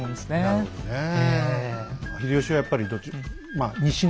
なるほどねえ。